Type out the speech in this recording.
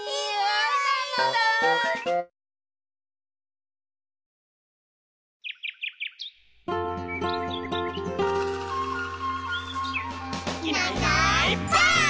「いないいないばあっ！」